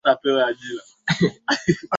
violet aliweza kuruka kutoka kwenye mashua